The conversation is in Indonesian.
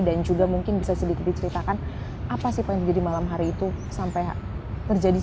juga mungkin bisa sedikit diceritakan apa sih pak yang terjadi malam hari itu sampai terjadi